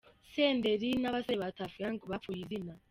Senderi n’abasore ba Tuff Gang bapfuye izina.